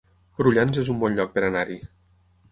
Prullans es un bon lloc per anar-hi